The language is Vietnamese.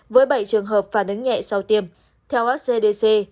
với bảy trường hợp phản ứng nhẹ sau tiêm theo scdc